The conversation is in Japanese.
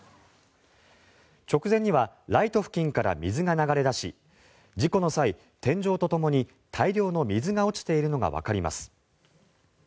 直前にはライト付近から水が流れ出し事故の際、天井とともに大量の水が落ちているのがわかります。